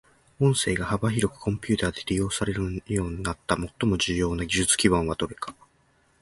音声が幅広くコンピュータで利用されるようになった最も重要な技術基盤はどれか。